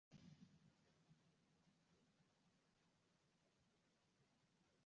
wa watu hawa walihamia Uturuki Walakini wengi